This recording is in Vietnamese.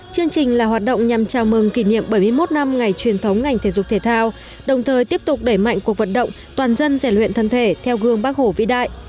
chương trình là hoạt động nhằm chào mừng kỷ niệm bảy mươi một năm ngày truyền thống ngành thể dục thể thao đồng thời tiếp tục đẩy mạnh cuộc vận động toàn dân rèn luyện thân thể theo gương bác hổ vĩ đại